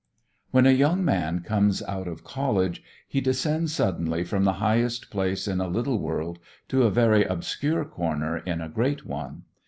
When a young man comes out of college he descends suddenly from the highest place in a little world to a very obscure corner in a great one.